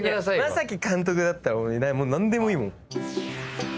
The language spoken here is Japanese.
将暉監督だったら何でもいい。